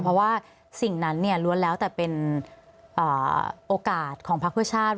เพราะว่าสิ่งนั้นล้วนแล้วแต่เป็นโอกาสของพักเพื่อชาติ